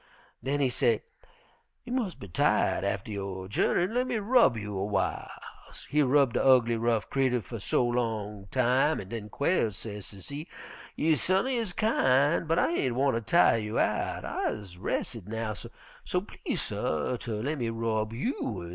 Den he say, 'You mus' be tired atter yo' journeyin', lemme rub you a w'iles.' He rub de ugly, rough creetur fer so long time, an' den Quail sez, sezee, 'You sut'n'y is kin', but I ain' wanter tire you out. I is res'ed now, so please, suh, ter lemme rub you a li'l.'